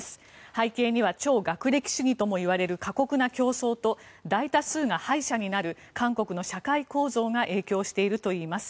背景には超学歴主義ともいわれる過酷な競争と大多数が敗者になる韓国の社会構造が影響しているといいます。